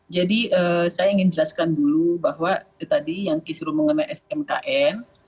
jadi saya ingin jelaskan dulu bahwa tadi yang disuruh mengenai smkn